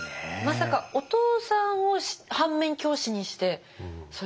まさかお父さんを反面教師にして。